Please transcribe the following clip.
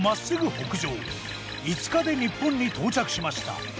５日で日本に到着しました。